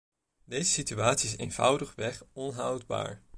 Deze situatie is eenvoudigweg onhoudbaar.